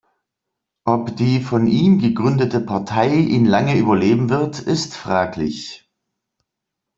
Ob die von ihm gegründete Partei ihn lange überleben wird ist fraglich.